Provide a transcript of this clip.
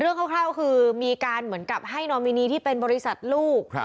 คร่าวคือมีการเหมือนกับให้นอมินีที่เป็นบริษัทลูก